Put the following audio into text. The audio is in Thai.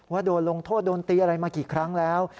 ว่าโดนลงโทษโดนตีอะไรมากี่ครั้งแล้ว